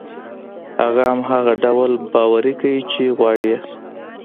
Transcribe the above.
هغه هماغه ډول باوري کړئ چې غواړي يې.